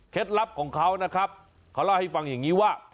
ลับของเขานะครับเขาเล่าให้ฟังอย่างนี้ว่า